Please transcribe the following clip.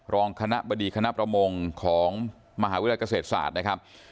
รองคณะบดีคณะประมงของมหาวิทยาลัยเกษตรศาสตร์นะครับ